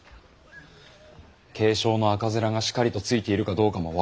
軽症の赤面がしかりとついているかどうかも分からぬ。